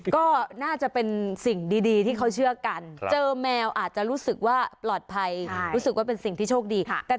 ก็น่าจะเป็นสิ่งดีที่เขาเชื่อกันเจอแมวอาจจะรู้สึกว่าปลอดภัยรู้สึกว่าเป็นสิ่งที่โชคดี